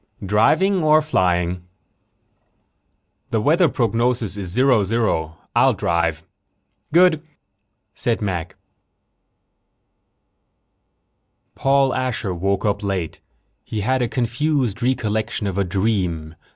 "Driving or flying?" "The weather prognosis is zero zero. I'll drive." "Good," said Mac. Paul Asher woke up late. He had a confused recollection of a dream.